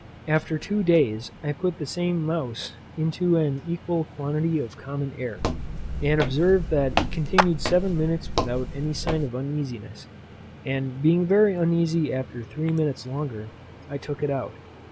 After two days, I put the same mouse into an equal quantity of common air, and observed that it continued seven minutes without any sign of uneasiness; and being very uneasy after three minutes longer, I took it out.